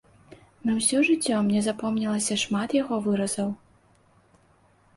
На ўсё жыццё мне запомнілася шмат яго выразаў.